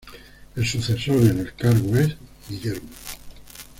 El sucesor en el cargo es Guillermo.